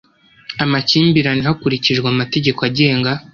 amakimbirane hakurikijwe amategeko agenga